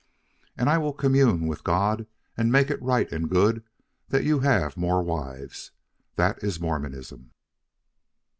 And I will commune with God and make it right and good that you have more wives. That is Mormonism."